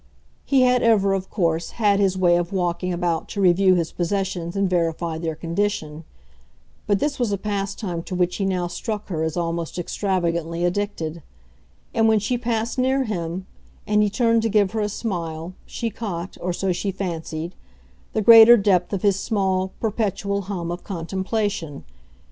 He had ever, of course, had his way of walking about to review his possessions and verify their condition; but this was a pastime to which he now struck her as almost extravagantly addicted, and when she passed near him and he turned to give her a smile she caught or so she fancied the greater depth of his small, perpetual hum of contemplation.